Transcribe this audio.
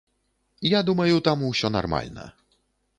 Я думаю, там усё нармальна.